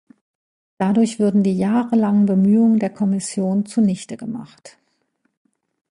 Dadurch würden die jahrelangen Bemühungen der Kommission zunichte gemacht.